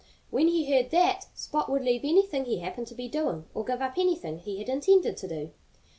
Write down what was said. When he heard that, Spot would leave anything he happened to be doing, or give up anything he had intended to do.